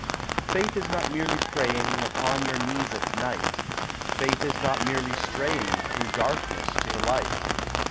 Faith is not merely praying Upon your knees at night; Faith is not merely straying Through darkness to the light.